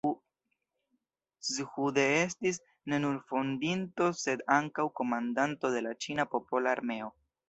Zhu De estis ne nur fondinto, sed ankaŭ komandanto de la ĉina popola armeo.